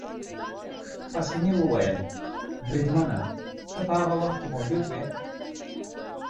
پاسیني وویل: بریدمنه، ته په هغه وخت کې موجود وې؟